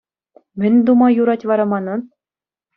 Мӗн тума юрать вара манӑн?